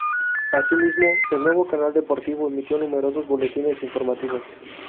Asimismo, el nuevo canal deportivo emitió numerosos boletines informativos.